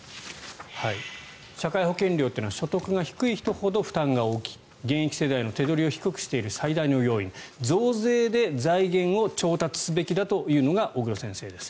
社会保険料というのは所得が低い人ほど負担が大きい現役世代の手取りを低くしている最大の要因増税で財源を調達すべきだというのが小黒先生です。